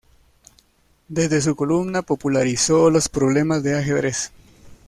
Desde su columna, popularizó los problemas de ajedrez.